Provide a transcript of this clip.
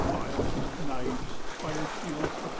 Files, knives, fire steels, &c.